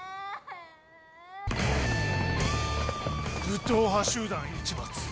武闘派集団市松。